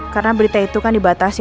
karena berita itu kan dibatasi